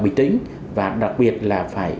bình tĩnh và đặc biệt là phải